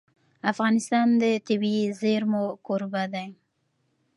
افغانستان د طبیعي زیرمې کوربه دی.